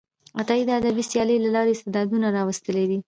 عطایي د ادبي سیالۍ له لارې استعدادونه راویستلي دي.